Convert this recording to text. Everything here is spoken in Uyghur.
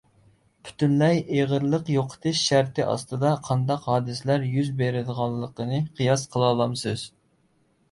پۈتۈنلەي ئېغىرلىق يوقىتىش شەرتى ئاستىدا قانداق ھادىسىلەر يۈز بېرىدىغانلىقىنى قىياس قىلالامسىز؟